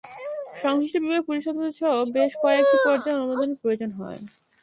সংশ্লিষ্ট বিভাগ, পুলিশ সদর দপ্তরসহ বেশ কয়েকটি পর্যায়ের অনুমোদনের প্রয়োজন হয়।